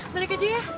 balik aja ya